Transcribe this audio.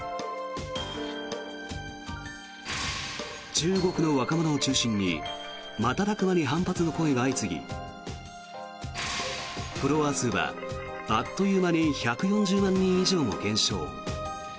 中国の若者を中心に瞬く間に反発の声が相次ぎフォロワー数はあっという間に１４０万人以上も減少。